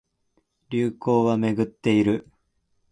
流行りはめぐってくる